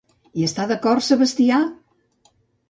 Hi està d'acord Sebastià?